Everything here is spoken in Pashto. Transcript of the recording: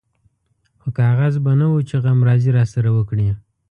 خو کاغذ به نه و چې غمرازي راسره وکړي.